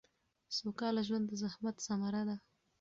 سوکاله ژوند د زحمت ثمره ده